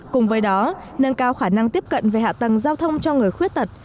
cùng với đó nâng cao khả năng tiếp cận về hạ tầng giao thông cho người khuyết tật